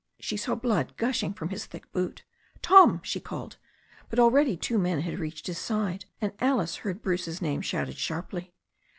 She saw blood gushing from his thick boot. "Tom," she called. But already two men had reached his side, and Alice heard Bruce's name shouted sharply.